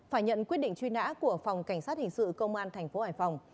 phải nhận quyết định truy nã của phòng cảnh sát hình sự công an tp hải phòng